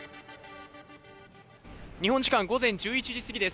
日本時間午前１１時過ぎです。